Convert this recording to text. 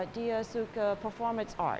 dia suka art performa